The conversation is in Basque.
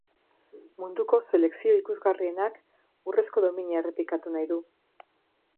Munduko selekzio ikusgarrienak urrezko domina errepikatu nahi du.